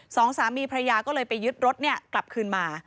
สองสามีภรรยาก็เลยไปยึดรถกลับคืนมา